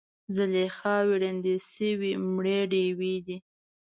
زلیخاوې ړندې شوي مړې ډیوې دي